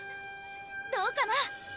どうかな？